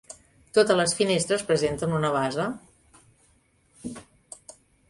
Totes les finestres presenten una base.